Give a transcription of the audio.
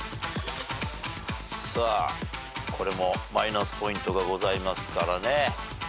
さあこれもマイナスポイントがございますからね。